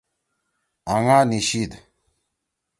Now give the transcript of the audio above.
آنگا نیِشیِد۔